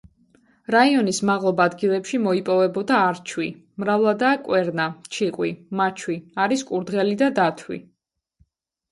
რაიონის მაღლობ ადგილებში მოიპოვებოდა არჩვი; მრავლადაა კვერნა, ციყვი, მაჩვი; არის კურდღელი და დათვი.